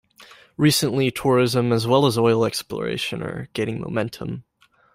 Recently tourism as well as oil exploration are gaining momentum.